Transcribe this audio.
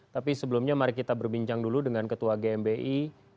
tapi sebelumnya mari kita berbincang dulu dengan ketua gmi